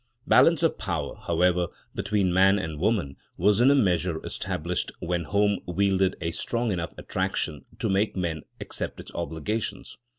Balance of power, however, between man and woman was in a measure established when home wielded a strong enough attraction to make men accept its obligations.